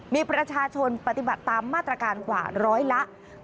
มีประชาชนปฏิบัติตามมาตรการกว่าร้อยละ